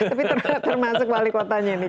tapi termasuk wali kotanya nih